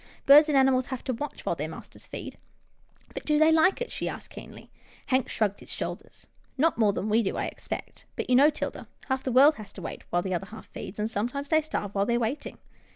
Birds and animals have to watch while their masters feed." " But do they like it? " she asked, keenly. Hank shrugged his shoulders. " Not more than we do, I expect, but you know, 'Tilda, half the world has to wait, while the other half feeds, and sometimes they starve while they're waiting."